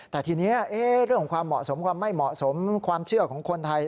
แต่ทีนี้เรื่องของความเหมาะสมความไม่เหมาะสมความเชื่อของคนไทย